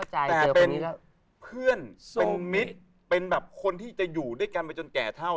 แต่เป็นเพื่อนเป็นมิตรเป็นแบบคนที่จะอยู่ด้วยกันไปจนแก่เท่า